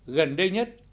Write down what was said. gần đây nhất